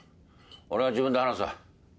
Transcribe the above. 俺が自分で話す。